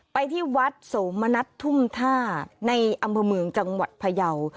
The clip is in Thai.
ไปที่วัดโสมณัฐทุ่มท่าในอำเภอเมืองจังหวัดพยาว